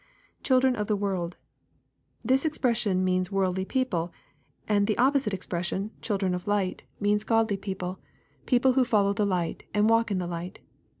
[Children of the world.] This expression means worldly people ; and the opposite expression, " children of light/* means LUKE, ChAP. XVI. 20& godly people, people who follow the light, and walk in the light.